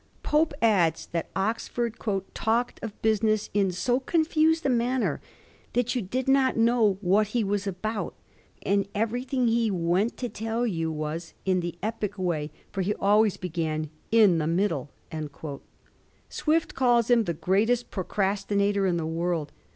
Pope adds that Oxford ^ talked of business in so confiised a manner that you did not know what he was about, and everything he went to tell you was in the epic way, for he always began in the middle.' Swift calls him ^ the greatest procrastinator in the world.'